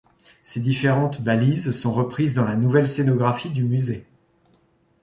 Ces différentes balises sont reprises dans la nouvelle scénographie du musée.